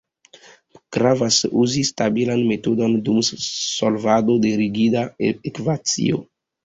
Gravas uzi stabilan metodon dum solvado de rigida ekvacio.